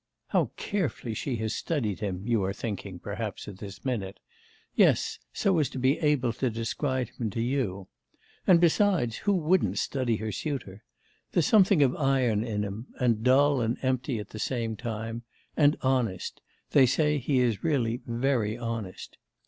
"How carefully she has studied him!" you are thinking, perhaps, at this minute. Yes; so as to be able to describe him to you. And besides, who wouldn't study her suitor! There's something of iron in him and dull and empty at the same time and honest; they say he is really very honest.